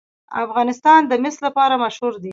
افغانستان د مس لپاره مشهور دی.